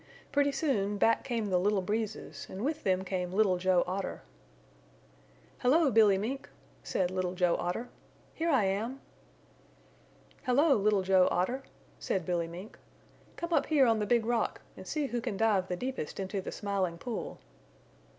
Pretty soon back came the Little Breezes and with them came Little Joe Otter. "Hello, Billy Mink," said Little Joe Otter. "Here I am!" "Hello, Little Joe Otter," said Billy Mink. "Come up here on the Big Rock and see who can dive the deepest into the Smiling Pool."